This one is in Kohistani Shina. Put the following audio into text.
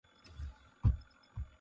بَٹُوڅیْ کِھن٘گ (ݜ۔ ا۔ مث) پتھریلی سطح۔